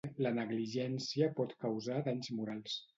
La negligència pot causar danys morals.